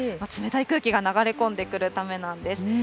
冷たい空気が流れ込んでくるためなんです。